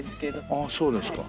ああそうですか。